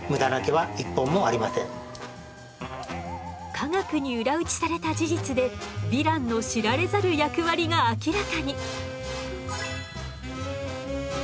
科学に裏打ちされた事実でヴィランの知られざる役割が明らかに。